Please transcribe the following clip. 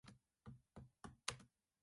千葉県東金市